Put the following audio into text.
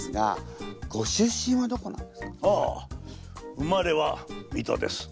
生まれは水戸です。